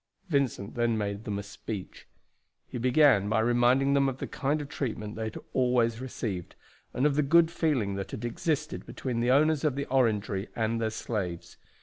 Vincent then made them a speech. He began by reminding them of the kind treatment they had always received, and of the good feeling that had existed between the owners of the Orangery and their slaves.